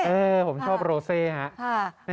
เออผมชอบโรเซฮะ